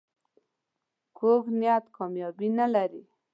کوږ نیت کامیابي نه لري